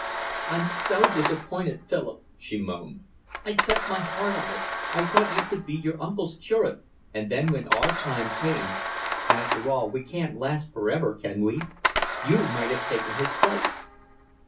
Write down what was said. "I'm so disappointed, Philip," she moaned. "I'd set my heart on it. I thought you could be your uncle's curate, and then when our time came—after all, we can't last for ever, can we?—you might have taken his place."